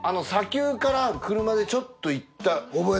砂丘から車でちょっと行った。